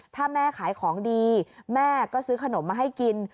ถ้าแม่ขายของดีแม่ก็ซื้อขนมมาให้กิน